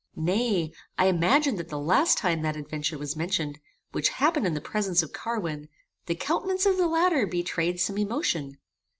Nay, I imagined that the last time that adventure was mentioned, which happened in the presence of Carwin, the countenance of the latter betrayed some emotion.